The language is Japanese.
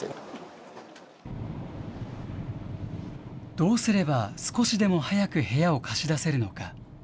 どうすれば少しでも早く部屋を貸し出せるのか。